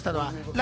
何？